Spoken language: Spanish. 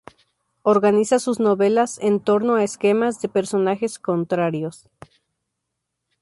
Organiza sus novelas en torno a esquemas de personajes contrarios.